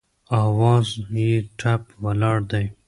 اواز یې ټپ ولاړ دی